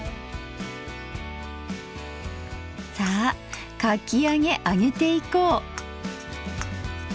さあかき揚げ揚げていこう。